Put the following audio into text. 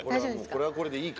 これはこれでいい。